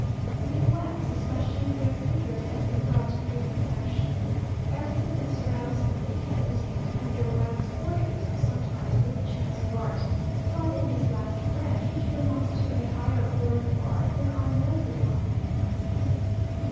In wax, especially, their figures have been brought to great perfection. Everything that surrounds them they can imitate, and their wax portraits are sometimes little gems of art; but in this last branch, which belongs to a higher order of art, there are no good workmen at present.